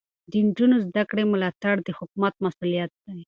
د نجونو زده کړې ملاتړ د حکومت مسؤلیت دی.